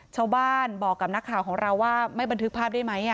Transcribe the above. ชาวบ้านบอกกับนักข่าวของเราว่าไม่บันทึกภาพได้ไหม